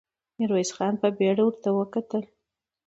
ميرويس خان په بېړه ور وکتل.